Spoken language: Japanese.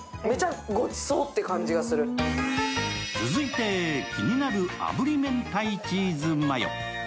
続いて、気になるあぶり明太チーズマヨ。